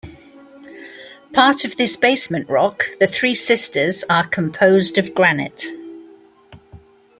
Part of this basement rock, the Three Sisters are composed of granite.